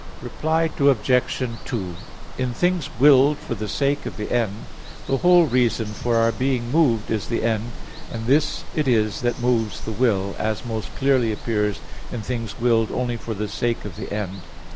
Reply Obj. 2: In things willed for the sake of the end, the whole reason for our being moved is the end, and this it is that moves the will, as most clearly appears in things willed only for the sake of the end.